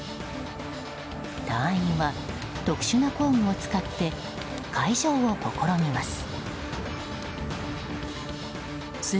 隊員は、特殊な工具を使って開錠を試みます。